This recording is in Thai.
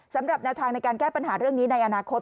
สำหรับแนวทางในการแก้ปัญหาเรื่องนี้ในอนาคต